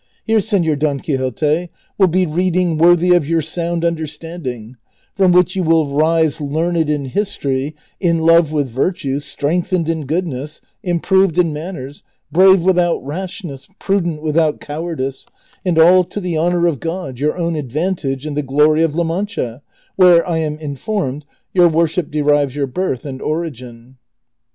Here, Senor Don Quixote, will l)e reading worthy of your sound under standing ; from which you will rise learned in history, in love with virtue, strengtrhened in goodness, improved in manners, brave without rashness, prudent without cowardice ; and all to the honor of (xod, your own advantage and the glory of La Mancha, whence, I am informed, your worship derives your birth and origin."